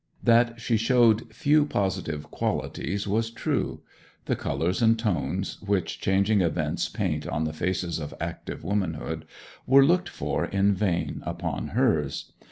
That she showed few positive qualities was true. The colours and tones which changing events paint on the faces of active womankind were looked for in vain upon hers.